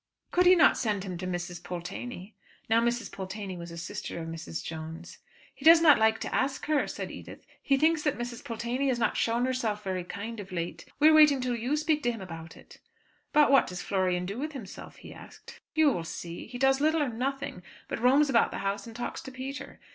"Could he not send him to Mrs. Pulteney?" Now Mrs. Pulteney was a sister of Mr. Jones. "He does not like to ask her," said Edith. "He thinks that Mrs. Pulteney has not shown herself very kind of late. We are waiting till you speak to him about it." "But what does Florian do with himself?" he asked. "You will see. He does little or nothing, but roams about the house and talks to Peter.